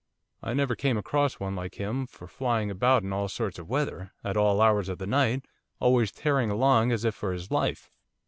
I never came across one like him for flying about in all sorts of weather, at all hours of the night, always tearing along as if for his life.